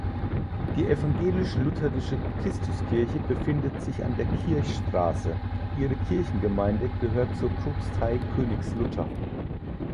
Die evangelisch-lutherische Christuskirche befindet sich an der Kirchstraße, ihre Kirchengemeinde gehört zur Propstei Königslutter.